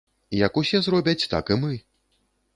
Як усе зробяць, так і мы!